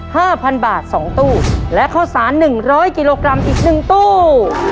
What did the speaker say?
ห้าพันบาทสองตู้และข้าวสารหนึ่งร้อยกิโลกรัมอีกหนึ่งตู้